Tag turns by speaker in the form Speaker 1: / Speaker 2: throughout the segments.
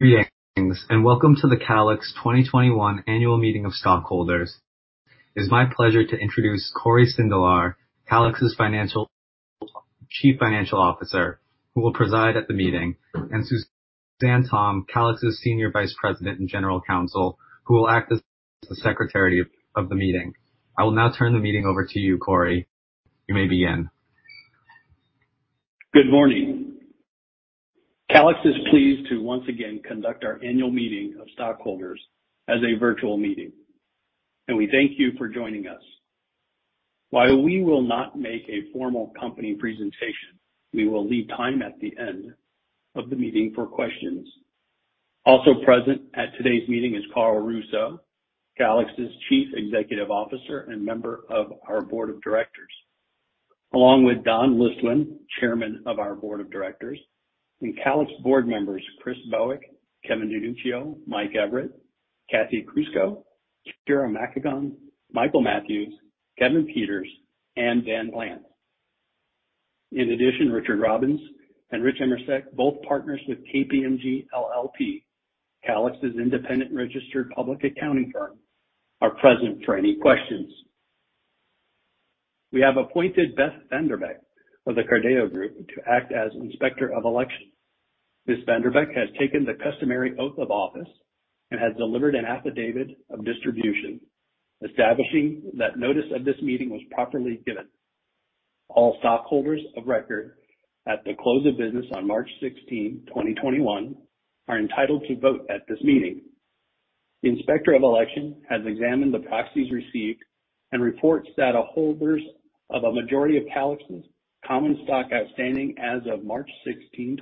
Speaker 1: Greetings, welcome to the Calix 2021 Annual Meeting of Stockholders. It is my pleasure to introduce Cory Sindelar, Calix's Chief Financial Officer, who will preside at the meeting, and Suzanne Tom, Calix's Senior Vice President and General Counsel, who will act as the secretary of the meeting. I will now turn the meeting over to you, Cory. You may begin.
Speaker 2: Good morning. Calix is pleased to once again conduct our annual meeting of stockholders as a virtual meeting, and we thank you for joining us. While we will not make a formal company presentation, we will leave time at the end of the meeting for questions. Also present at today's meeting is Carl Russo, Calix's Chief Executive Officer and member of our board of directors, along with Don Listwin, Chairman of our Board of Directors, and Calix board members Chris Bowick, Kevin DeNuccio, Mike Everett, Kathleen Crusco, Kira Makagon, Michael Matthews, Kevin Peters, and Daniel Plants. In addition, Richard Robbins and Rich Emmerich, both partners with KPMG LLP, Calix's independent registered public accounting firm, are present for any questions. We have appointed Beth Vanderbek of the Carideo Group to act as Inspector of Election. Ms. Vanderbek has taken the customary oath of office and has delivered an affidavit of distribution establishing that notice of this meeting was properly given. All stockholders of record at the close of business on March 16, 2021, are entitled to vote at this meeting. The Inspector of Election has examined the proxies received and reports that holders of a majority of Calix's common stock outstanding as of March 16,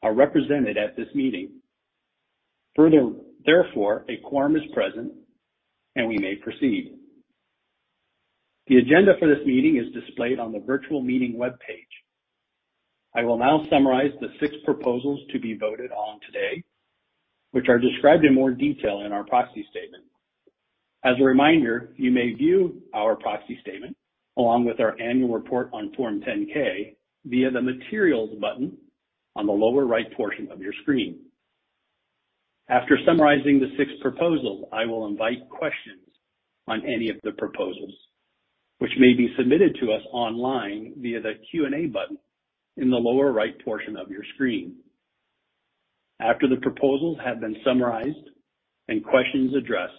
Speaker 2: 2021, are represented at this meeting. Therefore, a quorum is present and we may proceed. The agenda for this meeting is displayed on the virtual meeting webpage. I will now summarize the six proposals to be voted on today, which are described in more detail in our proxy statement. As a reminder, you may view our proxy statement, along with our annual report on Form 10-K, via the Materials button on the lower right portion of your screen. After summarizing the six proposals, I will invite questions on any of the proposals, which may be submitted to us online via the Q&A button in the lower right portion of your screen. After the proposals have been summarized and questions addressed,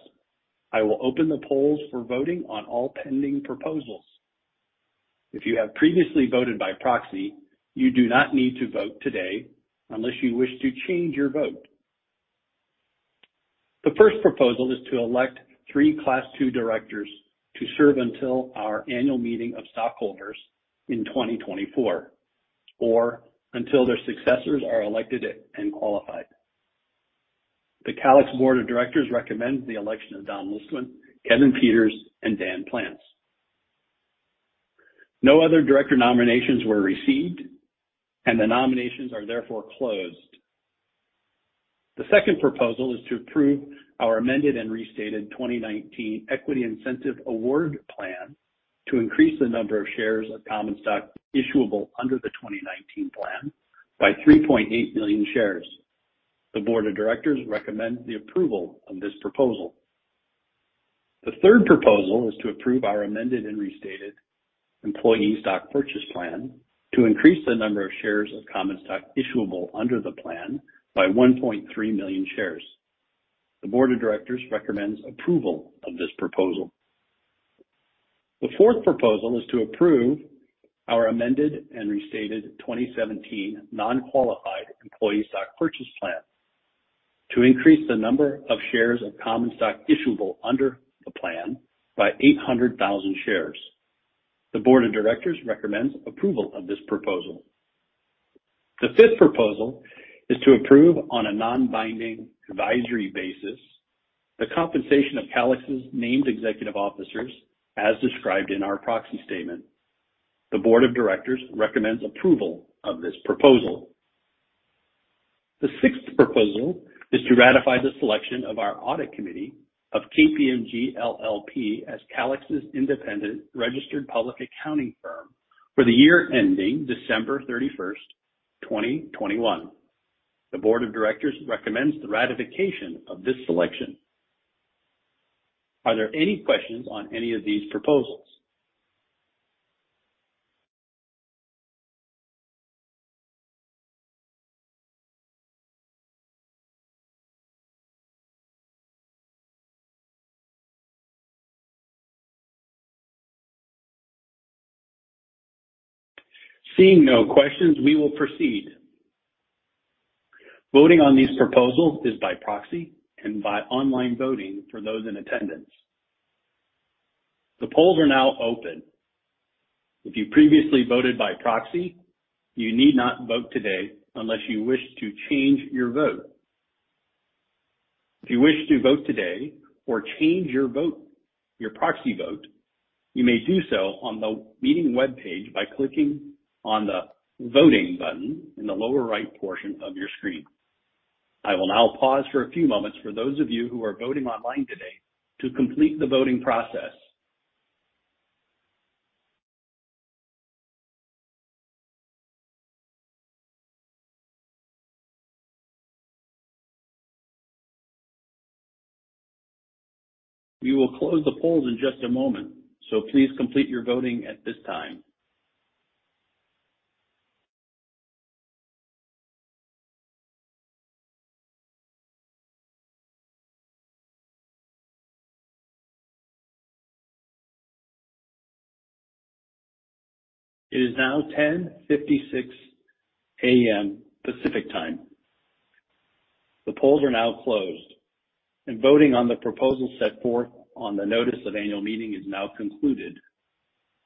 Speaker 2: I will open the polls for voting on all pending proposals. If you have previously voted by proxy, you do not need to vote today unless you wish to change your vote. The first proposal is to elect three Class II directors to serve until our annual meeting of stockholders in 2024, or until their successors are elected and qualified. The Calix Board of Directors recommends the election of Don Listwin, Kevin Peters, and Daniel Plants. No other director nominations were received, and the nominations are therefore closed. The second proposal is to approve our Amended and Restated 2019 Equity Incentive Award Plan to increase the number of shares of common stock issuable under the 2019 plan by 3.8 million shares. The board of directors recommends the approval of this proposal. The third proposal is to approve our Amended and Restated Employee Stock Purchase Plan to increase the number of shares of common stock issuable under the plan by 1.3 million shares. The board of directors recommends approval of this proposal. The fourth proposal is to approve our Amended and Restated 2017 Nonqualified Employee Stock Purchase Plan to increase the number of shares of common stock issuable under the plan by 800,000 shares. The board of directors recommends approval of this proposal. The fifth proposal is to approve on a non-binding advisory basis the compensation of Calix's named executive officers as described in our proxy statement. The board of directors recommends approval of this proposal. The sixth proposal is to ratify the selection of our audit committee of KPMG LLP as Calix's independent registered public accounting firm for the year ending December 31, 2021. The board of directors recommends the ratification of this selection. Are there any questions on any of these proposals? Seeing no questions, we will proceed. Voting on these proposals is by proxy and by online voting for those in attendance. The polls are now open. If you previously voted by proxy, you need not vote today unless you wish to change your vote. If you wish to vote today or change your proxy vote, you may do so on the meeting webpage by clicking on the Voting button in the lower right portion of your screen. I will now pause for a few moments for those of you who are voting online today to complete the voting process. We will close the polls in just a moment, so please complete your voting at this time. It is now 10:56 A.M. Pacific Time. The polls are now closed, and voting on the proposal set forth on the notice of annual meeting is now concluded.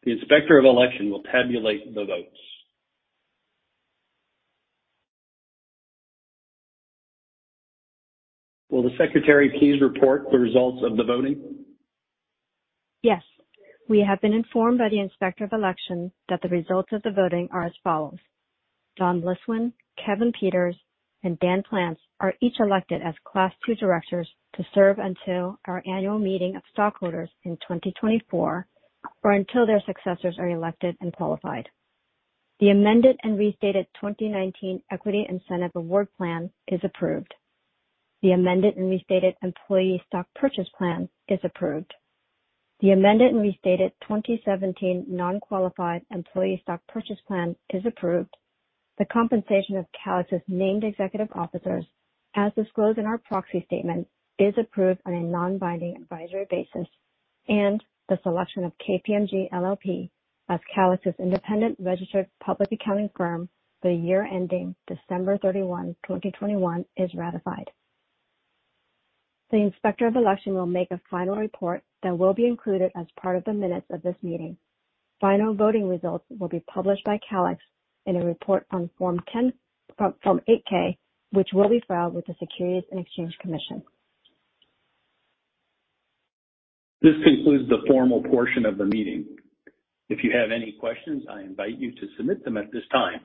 Speaker 2: The Inspector of Election will tabulate the votes. Will the Secretary please report the results of the voting?
Speaker 3: Yes. We have been informed by the Inspector of Election that the results of the voting are as follows. Don Listwin, Kevin Peters, and Daniel Plants are each elected as Class II directors to serve until our annual meeting of stockholders in 2024, or until their successors are elected and qualified. The Amended and Restated 2019 Equity Incentive Award Plan is approved. The Amended and Restated Employee Stock Purchase Plan is approved. The Amended and Restated 2017 Nonqualified Employee Stock Purchase Plan is approved. The compensation of Calix's named executive officers, as disclosed in our proxy statement, is approved on a non-binding advisory basis. The selection of KPMG LLP as Calix's independent registered public accounting firm for the year ending December 31, 2021 is ratified. The Inspector of Election will make a final report that will be included as part of the minutes of this meeting. Final voting results will be published by Calix in a report on Form 8-K, which will be filed with the Securities and Exchange Commission.
Speaker 2: This concludes the formal portion of the meeting. If you have any questions, I invite you to submit them at this time.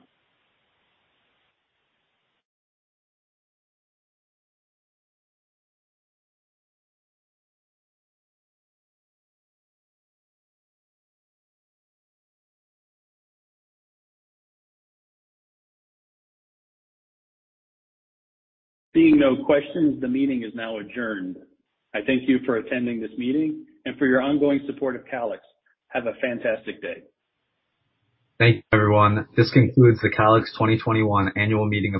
Speaker 2: Seeing no questions, the meeting is now adjourned. I thank you for attending this meeting and for your ongoing support of Calix. Have a fantastic day.
Speaker 1: Thank you, everyone. This concludes the Calix 2021 Annual Meeting of Stockholders.